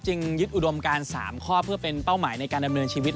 ยึดอุดมการ๓ข้อเพื่อเป็นเป้าหมายในการดำเนินชีวิต